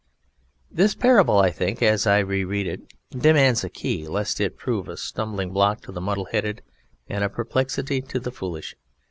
_This Parable I think, as I re read it, demands a KEY, lest it prove a stumbling block to the muddle headed and a perplexity to the foolish.